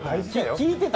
聞いてた？